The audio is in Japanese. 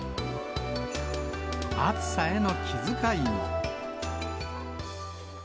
暑さへの気遣いも。